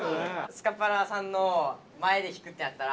スカパラさんの前で弾くってなったら。